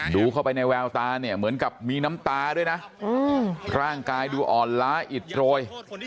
ดูเข้าไปในแววตาเนี่ยเหมือนกับมีน้ำตาด้วยนะร่างกายดูอ่อนล้าอิดโรย